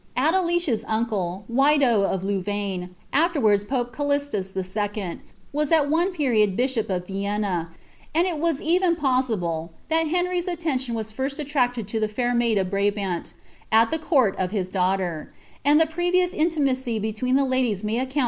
* I Atktieia's uncle, Wido of Louvaine, aiferwards Pope Calixtus II., waa >l 000 period bishop of Vienna, and it is even possible that Henry'a anantion was first aitracted lo the fair maid of Brabant at the court of Im danghlrr; and the previous intimacy between the ladies may accoui.